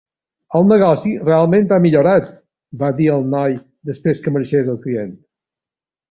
"El negoci realment ha millorat", va dir al noi, després que marxés el client.